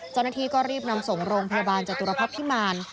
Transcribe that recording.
เจ้าหน้าที่ก็รีบนำส่งโรงพยาบาลจตุรพักษ์พิมาร